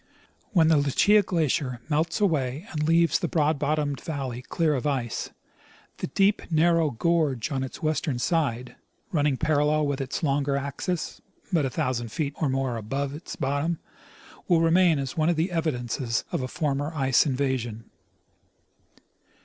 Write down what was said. When the Lucia glacier melts away and leaves the broad bottomed valley clear of ice, the deep narrow gorge on its western side, running parallel with its longer axes, but a thousand feet or more above its bottom, Avill remain as one of the evidences of a former ice invasion.